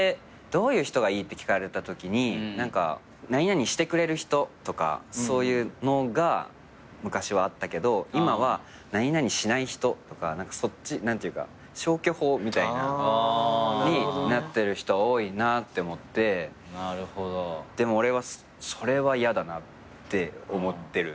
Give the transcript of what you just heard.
「どういう人がいい？」って聞かれたときに何々してくれる人とかそういうのが昔はあったけど今は何々しない人とか何ていうか消去法みたいになってる人多いなって思ってでも俺はそれは嫌だなって思ってる。